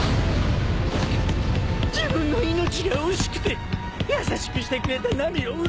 自分の命が惜しくて優しくしてくれたナミを裏切って。